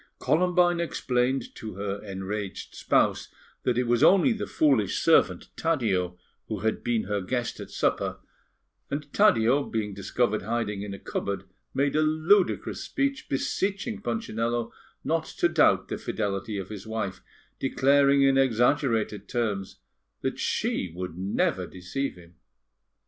Columbine explained to her enraged spouse that it was only the foolish servant Taddeo who had been her guest at supper, and Taddeo, being discovered hiding in a cupboard, made a ludicrous speech, beseeching Punchinello not to doubt the fidelity of his wife, declaring in exaggerated terms that she would never deceive him.